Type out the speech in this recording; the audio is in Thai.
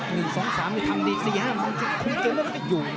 หนึ่งสองสามทำอีกเสียมันจะคุมเกมแล้วก็อยู่